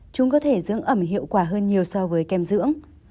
chúng có thể dưỡng ẩm hiệu quả hơn nhiều so với kem dưỡng